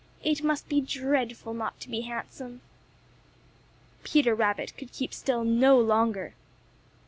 "It must be dreadful not to be handsome." Peter Rabbit could keep still no longer.